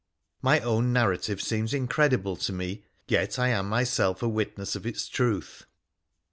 My own narrative seems incredible to me, yet I am myself a witness of its truth.